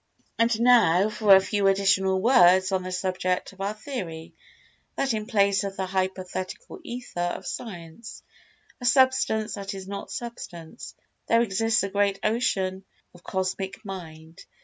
And now, for a few additional words on the subject of our theory that in place of the hypothetical Ether of Science—a Substance that is not Substance—there exists a great Ocean of Cosmic Mind.